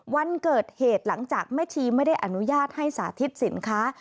วันเกิดเหตุหลังจากแม่ชีไม่ได้อนุญาตให้สาธิตสินค้า